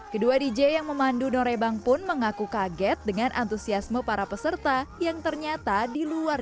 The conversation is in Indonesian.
kedua dj yang memandu norebang pun mengaku kaget dengan antusiasme para peserta yang ternyata di luar